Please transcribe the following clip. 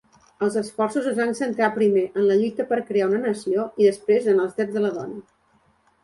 Els esforços es van centrar primer en la lluita per crear una nació i, després en els drets de la dona.